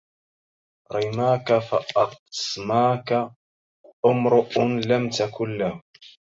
رماك فأصماك امرؤ لم تكن له